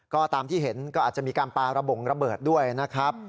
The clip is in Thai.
ก็ตามที่เห็นก็อาจจะมีการปาระบงระเบิดด้วยนะครับ